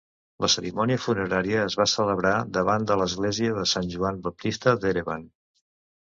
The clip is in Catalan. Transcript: La cerimònia funerària es va celebrar davant de l'Església de Sant Joan Baptista d'Erevan.